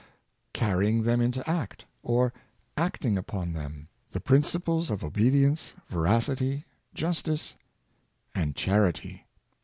^ carrying them into act, or acting upon them — the prin ciples of obedience, veracity, justice and charity."